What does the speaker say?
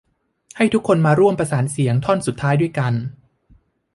ให้ทุกคนมาร่วมประสานเสียงท่อนสุดท้ายด้วยกัน